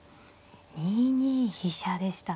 ２二飛車でした。